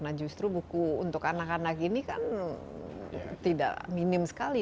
nah justru buku untuk anak anak ini kan tidak minim sekali